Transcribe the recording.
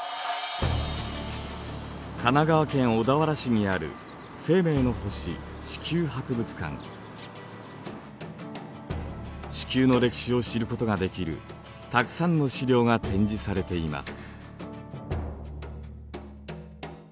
神奈川県小田原市にある地球の歴史を知ることができるたくさんの資料が展示されています。